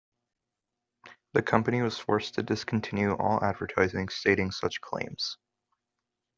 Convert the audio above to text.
The company was forced to discontinue all advertising stating such claims.